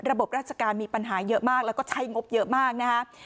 ระบบราชการมีปัญหาเยอะมากแล้วก็ใช้งบเยอะมากนะครับ